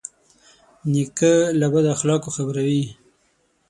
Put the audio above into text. نیکه له بد اخلاقو خبروي.